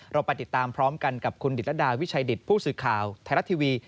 เราไปติดตามพร้อมกันกับคุณดิตรดาวิชัยดิตผู้สื่อข่าวไทยรัฐทีวี